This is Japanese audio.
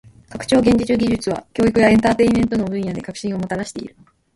拡張現実技術は教育やエンターテインメントの分野で革新をもたらしている。